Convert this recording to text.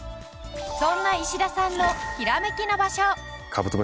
そんな石田さんのヒラメキの場所。